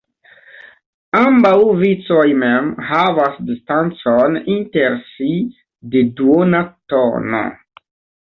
Ambaŭ vicoj mem havas distancon inter si de duona tono.